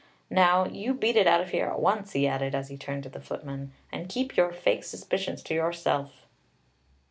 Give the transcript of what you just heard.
Now, you beat it out of here at once," he added, as he turned to the footman, "and keep your fake suspicions to yourself."